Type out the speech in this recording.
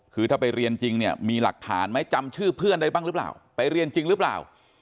คือถ้าไปเรียนจริงเนี่ยมีหลักฐานไหมจำชื่อเพื่อนได้บ้างหรือเปล่าไปเรียนจริงหรือเปล่า